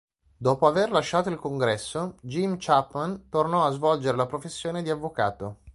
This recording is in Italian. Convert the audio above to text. Dopo aver lasciato il Congresso, Jim Chapman tornò a svolgere la professione di avvocato.